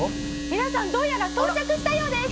皆さんどうやら到着したようです！